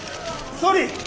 総理！